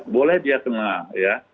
boleh dia kena ya